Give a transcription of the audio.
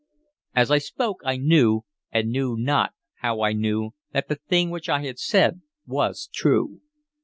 As I spoke, I knew, and knew not how I knew, that the thing which I had said was true.